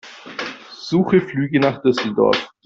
Suche Flüge nach Düsseldorf.